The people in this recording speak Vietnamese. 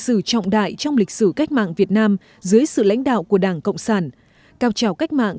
sử trọng đại trong lịch sử cách mạng việt nam dưới sự lãnh đạo của đảng cộng sản cao trào cách mạng